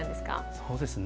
そうですね